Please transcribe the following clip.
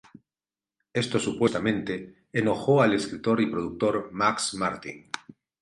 Esto supuestamente enojó al escritor y productor Max Martin.